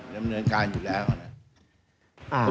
ดำเนินการอยู่แล้วนะครับ